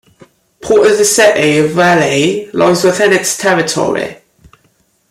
Part of the city of Ely lies within its territory.